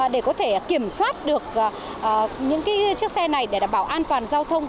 để có thể kiểm soát được những chiếc xe này để đảm bảo an toàn giao thông